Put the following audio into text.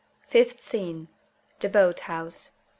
Fifth Scene The Boat House.